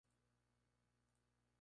Hermano mayor de Sasuke Uchiha.